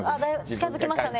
近づきましたね